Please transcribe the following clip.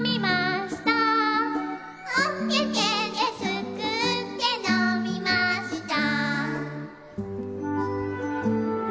「おててですくってのみました」